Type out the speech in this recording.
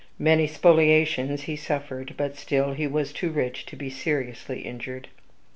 Many spoliations he suffered; but still he was too rich to be seriously injured.